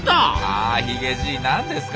あヒゲじいなんですか？